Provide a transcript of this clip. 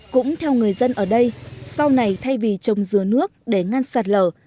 cũng theo người dân ở đây sau này thay vì trồng dừa nước để ngăn sạt lở